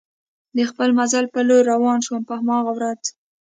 د خپل مزل په لور روان شوم، په هماغه ورځ.